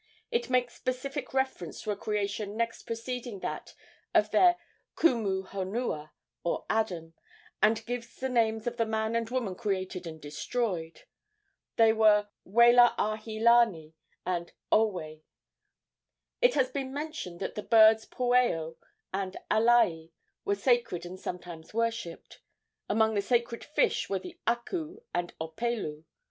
It makes specific reference to a creation next preceding that of their Ku mu honua, or Adam, and gives the names of the man and woman created and destroyed. They were Wela ahi lani and Owe. It has been mentioned that the birds pueo and alae were sacred and sometimes worshipped. Among the sacred fish were the aku and opelu.